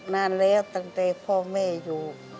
นานแล้วตั้งแต่พ่อแม่อยู่